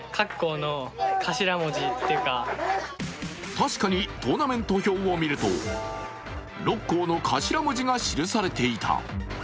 確かに、トーナメント表を見ると６校の頭文字が記されていた。